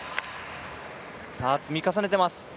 積み重ねてます。